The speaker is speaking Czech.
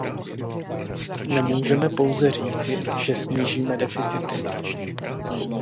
Nemůžeme pouze říci, že snížíme deficity.